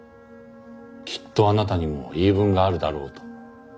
きっとあなたにも言い分があるだろうと。